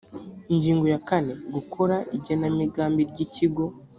ingingo ya kane gukora igenamigambi ry ikigo